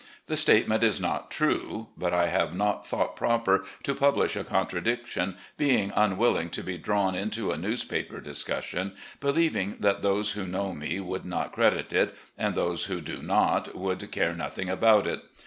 The statement is not true; but I have not thought proper to publish a contradiction, being unwilling to be drawn into a newspaper discussion, believing that those who know me would not credit it and those who do not would care nothing about it.